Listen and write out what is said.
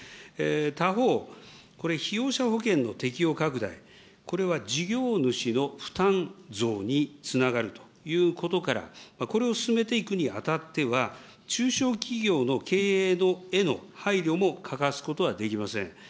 他方、これ、被用者保険の適用拡大、これは事業主の負担増につながるということから、これを進めていくにあたっては、中小企業の経営への配慮も欠かすことはできません。